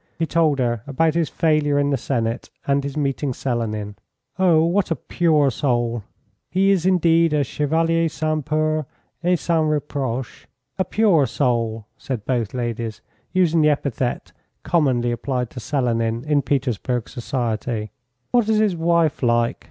He told her about his failure in the Senate and his meeting Selenin. "Oh, what a pure soul! He is, indeed, a chevalier sans peur et sans reproche. A pure soul!" said both ladies, using the epithet commonly applied to Selenin in Petersburg society. "What is his wife like?"